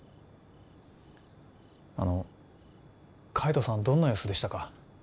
あの海斗さんはどんな様子でしたか？